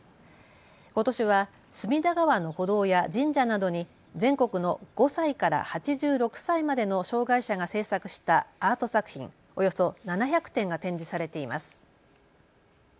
ことしは隅田川の歩道や神社などに全国の５歳から８６歳までの障害者が制作したアート作品、およそ７００点が展示されています。